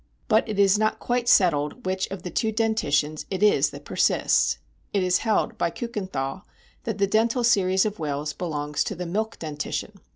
But it is not quite settled which of the two dentitions it is that persists. It is held by Kiikenthal that the dental series of whales belongs to the milk dentition.